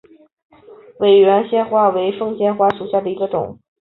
婺源凤仙花为凤仙花科凤仙花属下的一个种。